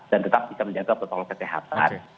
dan tetap bisa menjaga protokol kesehatan